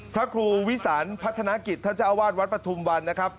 พระครูวิสานพัฒนากิจท่านเจ้าอาวาสวัดปฐุมวันนะครับ